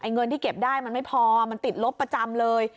เงินที่เก็บได้มันไม่พอมันติดลบประจำเลย